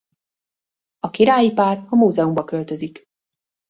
A királyi pár a múzeumba költözik.